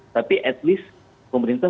tapi at least pemerintah